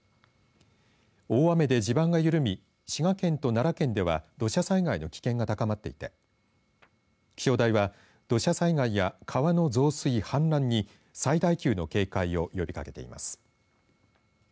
大雨で地盤が緩み滋賀県と奈良県では土砂災害の危険が高まっていて気象台は、土砂災害や川の増水氾濫に、最大級の警戒を呼びかけています。